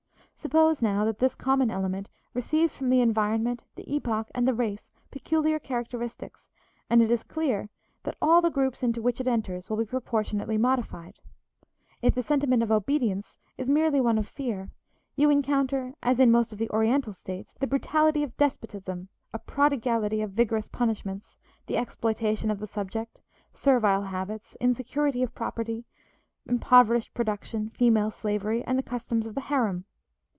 Suppose, now, that this common element receives from the environment, the epoch, and the race peculiar characteristics, and it is clear that all the groups into which it enters will be proportionately modified. If the sentiment of obedience is merely one of fear, you encounter, as in most of the Oriental states, the brutality of despotism, a prodigality of vigorous punishments, the exploitation of the subject, servile habits, insecurity of property, impoverished production, female slavery, and the customs of the harem.